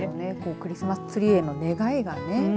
クリスマスツリーへの願いがね。